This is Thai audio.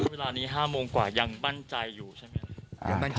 เวลานี้๕โมงกว่ายังมั่นใจอยู่ใช่ไหม